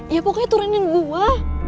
ya pokoknya turunin gue